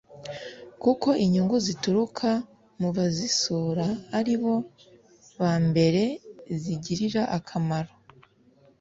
kuko inyungu zituruka mu bazisura aribo ba mbere zigirira akamaro